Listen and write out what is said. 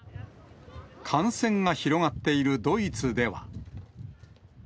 感染が広がっているドイツでは。